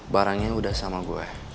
barangnya udah sama gue